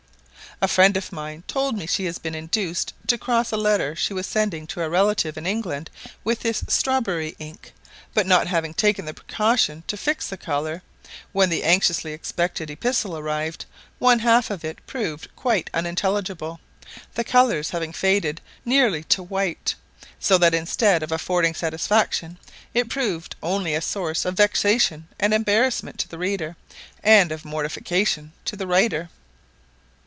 A friend of mine told me she had been induced to cross a letter she was sending to a relative in England with this strawberry ink, but not having taken the precaution to fix the colour, when the anxiously expected epistle arrived, one half of it proved quite unintelligible, the colours having faded nearly to white; so that instead of affording satisfaction, it proved only a source of vexation and embarrassment to the reader, and of mortification to the writer.